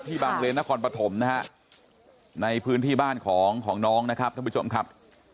ที่บางเรียนนครปฐมในพื้นที่บ้านของน้องนะครับทุกผู้ชมครับ